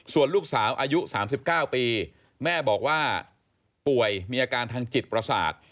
ส่วนลูกสาวอายุ๓๙ปีแม่บอกว่าป่วยมีอาการทางจิตประสาท